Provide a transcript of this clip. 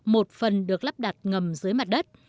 một phần được lắp đặt ngầm dưới mặt đất